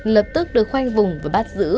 lập tức được khoanh vùng và bắt giữ